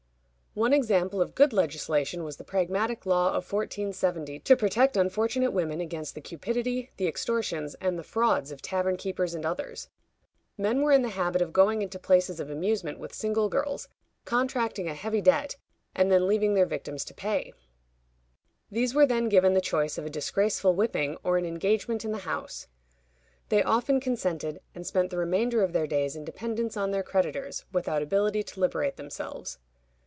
One example of good legislation was the pragmatic law of 1470, to protect unfortunate women against the cupidity, the extortions, and the frauds of tavern keepers and others. Men were in the habit of going into places of amusement with single girls, contracting a heavy debt, and then leaving their victims to pay. These were then given the choice of a disgraceful whipping or an engagement in the house. They often consented, and spent the remainder of their days in dependence on their creditors, without ability to liberate themselves.